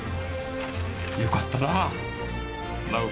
よかったな直子。